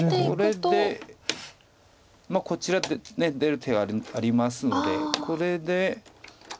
これでこちら出る手ありますのでこれで。